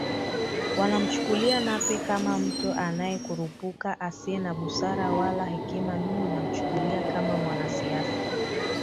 wanamchukulia Nape kama mtu anayekurupuka asiye na busara wala hekima Mimi namchukulia kama mwanasiasa